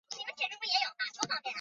袁翼新市乡上碧溪人。